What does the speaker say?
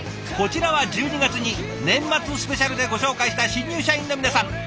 こちらは１２月に「年末スペシャル」でご紹介した新入社員の皆さん。